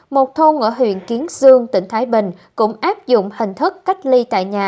một thôn ở huyện kiến sương tỉnh thái bình cũng áp dụng hình thức cách ly tại nhà